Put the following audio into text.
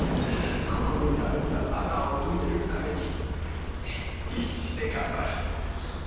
心にあいた穴を埋めるために必死で頑張る。